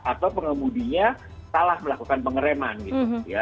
atau pengemudinya salah melakukan pengereman gitu ya